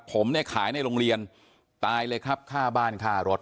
ผมเนี่ยขายในโรงเรียนตายเลยครับค่าบ้านค่ารถ